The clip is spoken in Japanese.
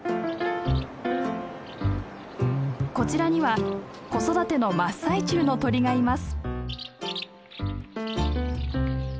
こちらには子育ての真っ最中の鳥がいます。